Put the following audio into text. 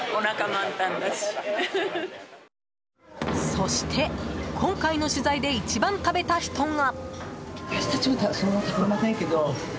そして、今回の取材で一番食べた人が。